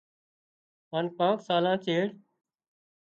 هانَ ڪانڪ سالان چيڙ